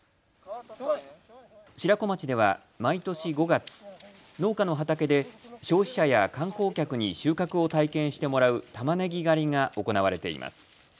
白子町では毎年５月、農家の畑で消費者や観光客に収穫を体験してもらうたまねぎ狩りが行われています。